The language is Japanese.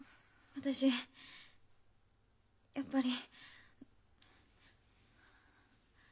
私やっぱり。